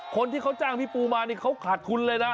คนที่เขาจ้างพี่ปูมานี่เขาขาดทุนเลยนะ